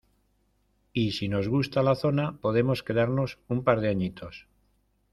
Y si nos gusta la zona podemos quedarnos un par de añitos.